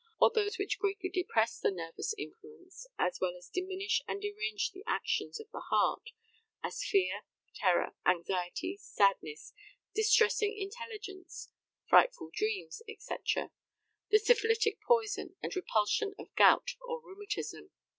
or those which greatly depress the nervous influence, as well as diminish and derange the actions of the heart, as fear, terror, anxiety, sadness, distressing intelligence, frightful dreams, &c. the syphilitic poison and repulsion of gout or rheumatism."